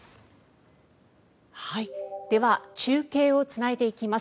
では中継をつないでいきます。